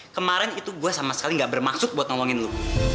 kemarin itu gue sama sekali gak bermaksud buat ngomongin lu